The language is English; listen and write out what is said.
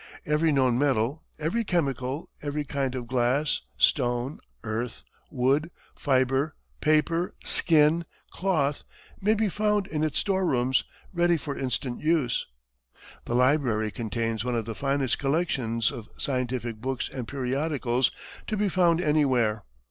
Every known metal, every chemical, every kind of glass, stone, earth, wood, fibre, paper, skin, cloth, may be found in its store rooms, ready for instant use. The library contains one of the finest collections of scientific books and periodicals to be found anywhere.